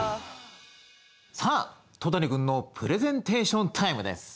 さあ戸谷君のプレゼンテーションタイムです。